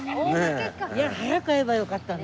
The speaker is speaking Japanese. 早く会えばよかったね。